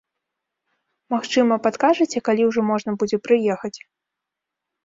Магчыма, падкажаце, калі ўжо можна будзе прыехаць?